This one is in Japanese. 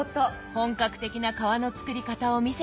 本格的な皮の作り方を見せてもらいました。